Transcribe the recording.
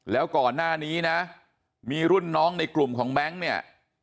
แล้วก่อนหน้านี้นะมีรุ่นน้องในกลุ่มของแบงค์เนี่ย